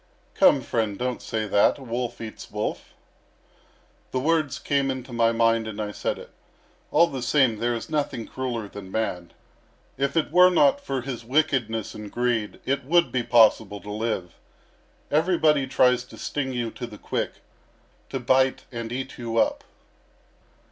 "Come, friend, don't say that; a wolf eats wolf." "The words came into my mind and I said it. All the same, there is nothing crueller than man. If it were not for his wickedness and greed, it would be possible to live. Everybody tries to sting you to the quick, to bite and eat you up."